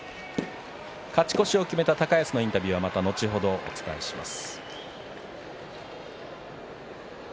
勝ち越しを決めた高安のインタビューはまた後ほど、お伝えいたします。